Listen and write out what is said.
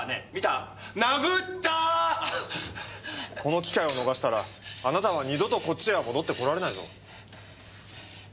この機会を逃したらあなたは二度とこっちへは戻ってこられないぞ。